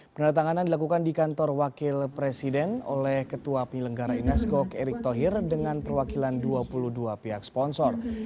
peneretanganan dilakukan di kantor wakil presiden oleh ketua penyelenggara inas gok erick thohir dengan perwakilan dua puluh dua pihak sponsor